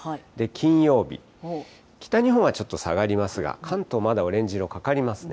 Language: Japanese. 金曜日、北日本はちょっと下がりますが、関東、まだオレンジ色かかりますね。